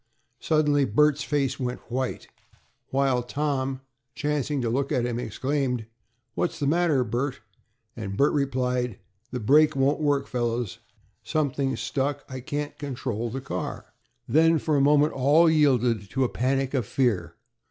Suddenly Bert's face went white. Tom, chancing to look at him, exclaimed, "What's the matter, Bert?" and Bert replied, "The brake won't work, fellows. Something's stuck. I can't control the car." Then for a moment all yielded to a panic of fear.